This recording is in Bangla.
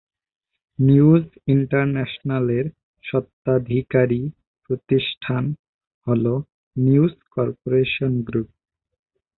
নিউজ ইন্টারন্যাশনালের স্বত্বাধিকারী প্রতিষ্ঠান হল নিউজ কর্পোরেশন গ্রুপ।